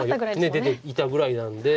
出ていたぐらいなんで。